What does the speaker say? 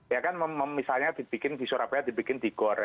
ya kan misalnya di surabaya dibikin di gor